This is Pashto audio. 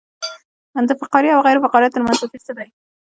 د فقاریه او غیر فقاریه ترمنځ توپیر څه دی